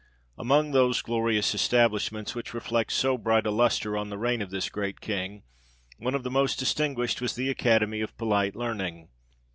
Among those glorious establishments, which reflect so bright a lustre on the reign of this great King, one of the most distinguished was the Academy of Polite Learning.